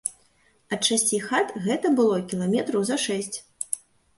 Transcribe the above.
Ад шасці хат гэта было кіламетраў за шэсць.